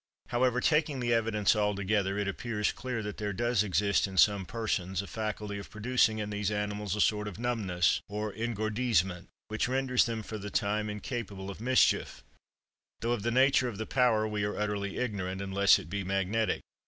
However, taking the evidence altogether, it appears clear that there does exist in some persons a faculty of producing in these animals a sort of numbness, or engourdissement, which renders them for the time incapable of mischief; though of the nature of the power we are utterly ignorant, unless it be magnetic.